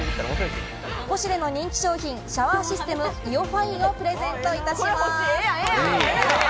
『ポシュレ』の人気商品、シャワーシステムＩＯファインをプレゼントいたします。